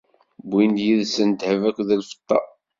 Wwin-d yid-sen ddheb akked lfeṭṭa.